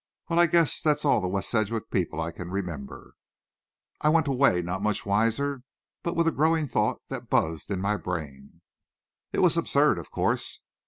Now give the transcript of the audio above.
Well, I guess that's all the West Sedgwick people I can remember." I went away not much the wiser, but with a growing thought that buzzed in my brain. It was absurd, of course.